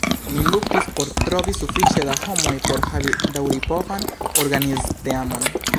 Ni luktis por trovi sufiĉe da homoj por havi daŭripovan organizteamon.